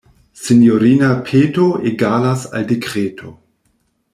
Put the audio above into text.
Sinjorina peto egalas al dekreto.